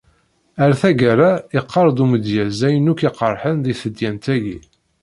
Ar taggara, iqqaṛ-d umedyaz ayen akk iqeṛṛḥen di tedyant-agi.